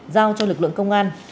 giao cho lực lượng công an